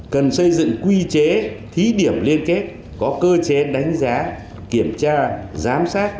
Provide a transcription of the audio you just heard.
cần xây dựng quy chế thí điểm liên kết có cơ chế đánh giá kiểm tra giám sát